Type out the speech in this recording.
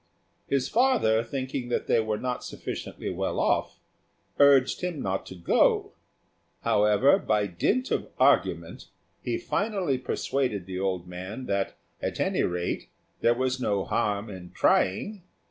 His father, thinking that they were not sufficiently well off, urged him not to go; however, by dint of argument, he finally persuaded the old man that, at any rate, there was no harm in trying.